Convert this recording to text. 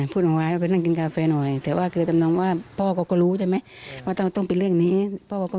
พูดหวายว่าไปนั่งกินกาแฟหน่อยแต่ว่าคือจำนวนว่าพ่อก็รู้ใช่ไหมว่าต้องเป็นเรื่องอย่างนี้